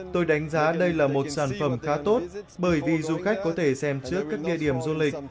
tôi đánh giá đây là một sản phẩm khá tốt bởi vì du khách có thể xem trước các địa điểm du lịch